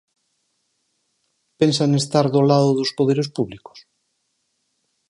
¿Pensan estar do lado dos poderes públicos?